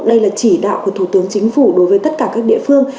đây là chỉ đạo của thủ tướng chính phủ đối với tất cả các địa phương